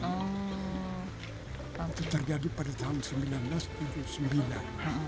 itu terjadi pada tahun seribu sembilan ratus tujuh puluh sembilan